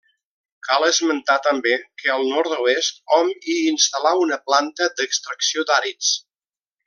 Cal esmentar també que al nord-oest hom hi instal·là una planta d'extracció d'àrids.